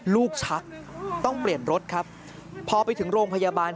ชักต้องเปลี่ยนรถครับพอไปถึงโรงพยาบาล